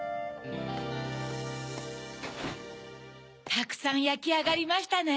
たくさんやきあがりましたね。